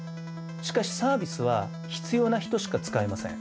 しかしサービスは必要な人しか使えません。